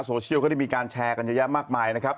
โซเชียลก็ได้มีการแชร์กันเยอะแยะมากมายนะครับ